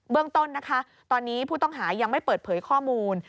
เรื่องต้นนะคะตอนนี้ผู้ต้องหายังไม่เปิดเผยข้อมูล